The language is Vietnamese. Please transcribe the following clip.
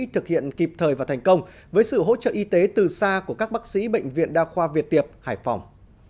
thực hiện kịp thời và thành công với sự hỗ trợ y tế từ xa của các bác sĩ bệnh viện đa khoa việt tiệp hải phòng